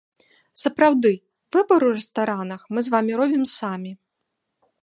Сапраўды, выбар у рэстаранах мы з вамі робім самі.